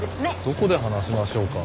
どこで話しましょうか？